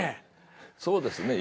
そうですね。